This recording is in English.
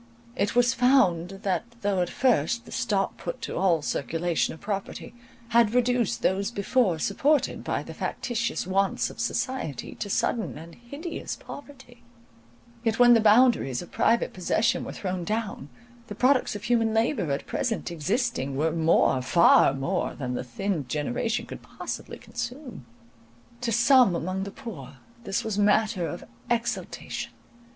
It was found, that, though at first the stop put to all circulation of property, had reduced those before supported by the factitious wants of society to sudden and hideous poverty, yet when the boundaries of private possession were thrown down, the products of human labour at present existing were more, far more, than the thinned generation could possibly consume. To some among the poor this was matter of exultation.